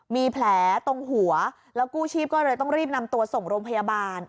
มีแผลตรงหัวแล้วกู้ชีพก็เลยต้องรีบนำตัวส่งโรงพยาบาล